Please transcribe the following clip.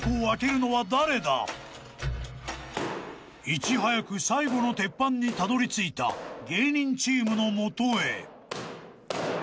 ［いち早く最後の鉄板にたどり着いた芸人チームの元へ］